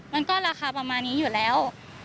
มันก็ราคาประมาณนี้อยู่แล้ว